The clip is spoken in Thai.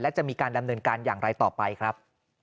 และจะมีการดำเนินการอย่างไรต่อไปครับ